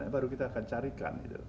baru kita akan carikan